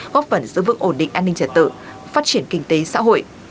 góp phần giữ vững ổn định an ninh trật tự phát triển kinh tế xã hội